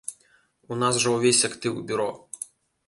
У нас жа ўвесь актыў, бюро.